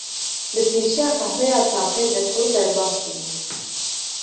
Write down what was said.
Li pêşiya qehweya taxê de ku derbas dibûm